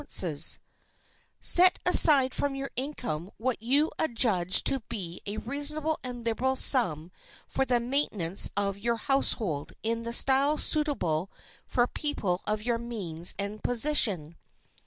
[Sidenote: LEARN TO SAY WE] "Set aside from your income what you adjudge to be a reasonable and liberal sum for the maintenance of your household in the style suitable for people of your means and position.